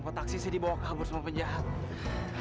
petaksi saya dibawa kabur semua penjahat